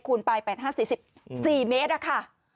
คูณไป๘ศอก๔เมตรอะค่ะ